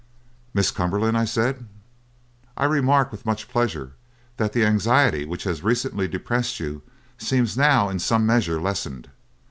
"'Miss Cumberland,' I said, 'I remark with much pleasure that the anxiety which has recently depressed you seems now in some measure lessened.